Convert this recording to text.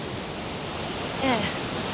ええ。